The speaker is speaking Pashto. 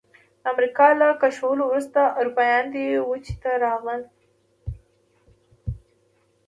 د امریکا له کشفولو وروسته اروپایان دې وچې ته راغلل.